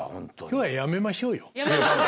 今日はやめましょうよ。